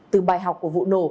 từ bài học của vụ nổ